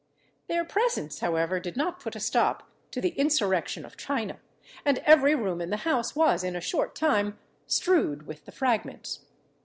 Their presence, however, did not put a stop to the insurrection of china, and every room in the house was in a short time strewed with the fragments.